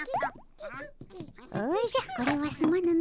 おじゃこれはすまぬの。